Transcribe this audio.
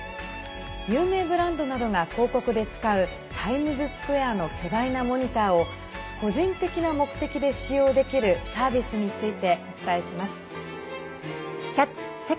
有名ブランドなどが広告で使うタイムズスクエアの巨大なモニターを個人的な目的で使用できるサービスについてお伝えします。